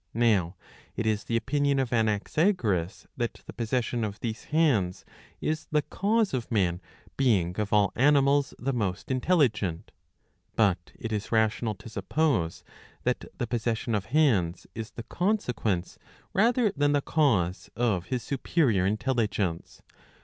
Now it is the opinion of Anaxagoras, that the possession of these hands is the cause of man being of all animals the most intelligent. But it is rational to suppose that the possession of hands is the consequence rather than the cause 687 a. Ii8 • iv. 10. of his superior intelligence.